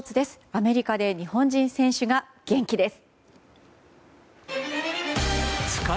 アメリカで日本人選手が元気です。